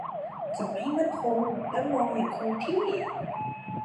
จับให้มั่นคงและมองอย่างคงที่